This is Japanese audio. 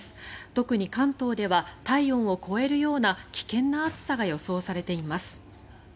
特に関東では体温を超えるような危険な暑さが予想されています。